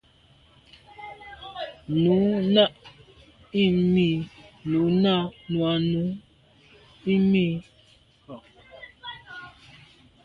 Nu nà i mi nu a num i mi.